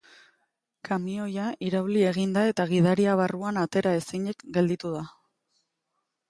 Kamioia irauli egin da eta gidaria barruan atera ezinik gelditu da.